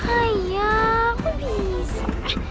ayah kok bisa